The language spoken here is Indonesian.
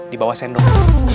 di bawah sendok